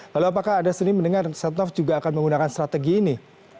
lalu apakah anda sendiri mendengar setnov juga akan menggunakan strategi ini